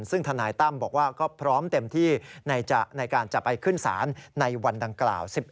ซึ่งทนายตั้มบอกว่าก็พร้อมเต็มที่ในการจะไปขึ้นศาลในวันดังกล่าว